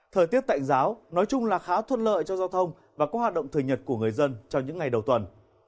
thời tiết tạnh giáo nói chung là khá thuận lợi cho giao thông và có hoạt động thời nhật của người dân trong những ngày đầu tuần